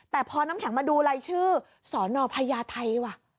แต่พอน้ำแข็งมาดูรายชื่อสนพญาไทยว่ะ